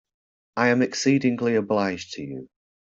I am exceedingly obliged to you.